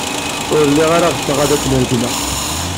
Ur lliɣ ara ɣseɣ ad kem-regmeɣ.